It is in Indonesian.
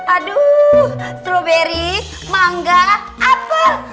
aduh strawberry manga apel